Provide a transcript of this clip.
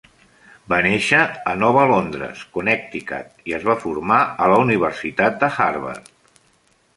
Va néixer a Nova Londres, Connecticut, i es va formar a la Universitat de Harvard.